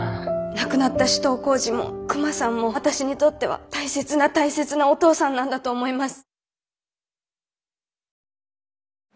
亡くなった首藤幸次もクマさんも私にとっては大切な大切なお父さんなんだと思います。